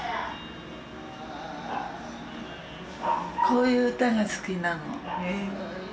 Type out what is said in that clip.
こういう歌が好きなの。